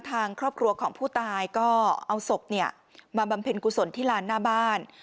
ทางครอบครัวของผู้ตายก็เอาศพมาบำเพ็ญกุศลที่ลานหน้าบ้าน